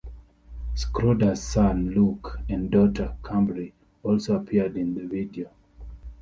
Schroder's son Luke and daughter Cambrie also appeared in the video.